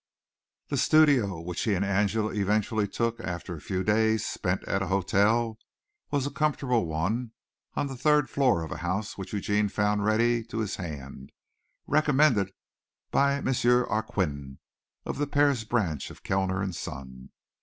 The studio which he and Angela eventually took after a few days spent at an hotel, was a comfortable one on the third floor of a house which Eugene found ready to his hand, recommended by M. Arkquin, of the Paris branch of Kellner and Son.